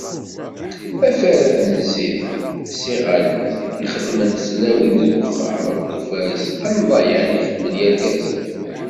Afares n zzit s yiγallen i xeddment-t tlawin deg uxxam akked ufares anḍayan i xeddmen yirgazen.